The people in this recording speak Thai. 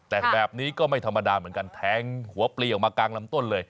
แต่แบบนี้ก็ไม่ธรรมดาเหมือนกันแทงหัวปลีออกมากลางลำต้นเลย